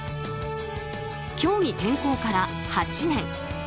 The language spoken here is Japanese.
競技転向から８年。